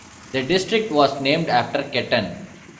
The district was named after Ketton.